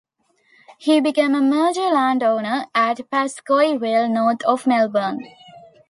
He became a major landowner at Pascoe Vale north of Melbourne.